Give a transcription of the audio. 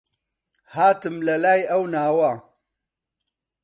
هاتم لە لای ئەو ناوە